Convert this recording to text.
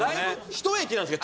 １駅なんですよ